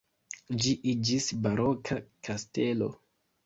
Ĝi iĝis baroka kastelo.